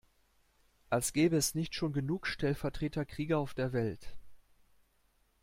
Als gäbe es nicht schon genug Stellvertreterkriege auf der Welt.